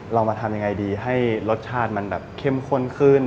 เรามาทำยังไงดีให้รสชาติมันแบบเข้มข้นขึ้น